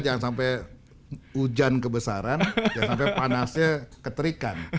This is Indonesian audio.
jangan sampai hujan kebesaran jangan sampai panasnya keterikan